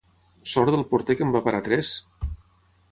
Sort del porter que en va parar tres!